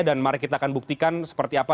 dan mari kita akan buktikan seperti apa